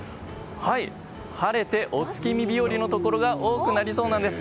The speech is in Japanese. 晴れてお月見日和のところが多くなりそうなんです。